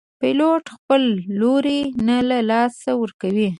پیلوټ خپل لوری نه له لاسه ورکوي.